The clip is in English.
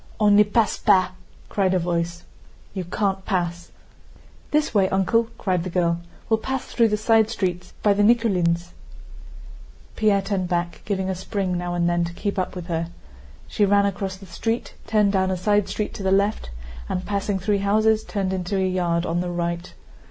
"On ne passe pas!" * cried a voice. * "You can't pass!" "This way, uncle," cried the girl. "We'll pass through the side street, by the Nikúlins'!" Pierre turned back, giving a spring now and then to keep up with her. She ran across the street, turned down a side street to the left, and, passing three houses, turned into a yard on the right.